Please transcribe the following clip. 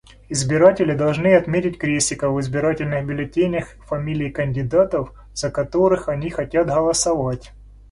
Избиратели должны отметить крестиком в избирательных бюллетенях фамилии кандидатов, за которых они хотят голосовать.